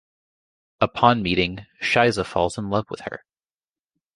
Upon meeting, Shiza falls in love with her.